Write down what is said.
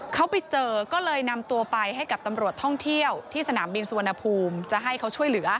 เขาไปเจอก็เลยนำตัวไปให้กับตำรวจท่องเที่ยวที่สนามบินสุวรรณภูมิจะให้เขาช่วยเหลือ